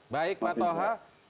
baik pak toha